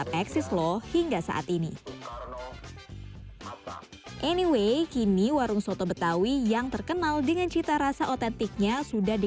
mulai istri presiden pertama ri soekarno fatmawati